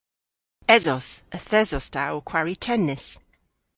Esos. Yth esos ta ow kwari tennis.